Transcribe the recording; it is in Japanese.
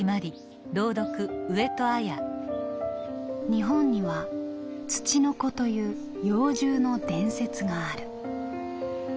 「日本には『つちのこ』という妖獣の伝説がある。